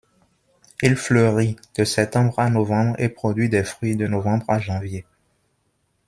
Il fleurit de septembre à novembre et produit des fruits de novembre à janvier.